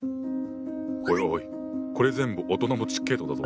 おいおいこれ全部大人のチケットだぞ。